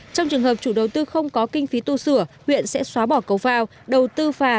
trong trường hợp chủ đầu tư không có kinh phí tu sửa huyện sẽ xóa bỏ cầu phao đầu tư phà